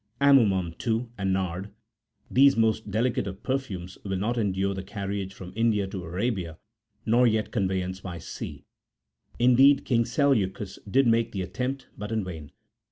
Amomum,76 too, and nard,77 those most delicate of perfumes, will not endure the carriage from India to Arabia, nor yet conveyance by sea ; indeed, King Seleucus did make the attempt, but in vain.